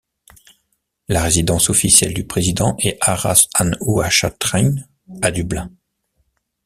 La résidence officielle du président est Áras an Uachtaráin à Dublin.